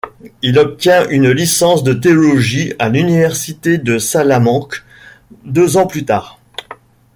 Il obtient une licence de théologie à l'université de Salamanque deux ans plus tard.